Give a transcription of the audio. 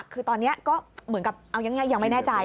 คือตอนนี้ก็เหมือนกับเอาง่ายยังไม่แน่ใจ